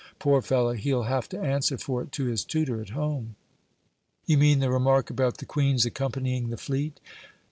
Poor fellow! He'll have to answer for it to his tutor at home." "You mean the remark about the Queen's accompanying the fleet?"